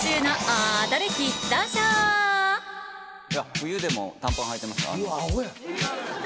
冬でも短パンはいてますよ。